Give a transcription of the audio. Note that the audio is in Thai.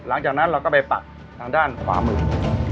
หลังจากนั้นเราก็ไปปักทางด้านขวามือ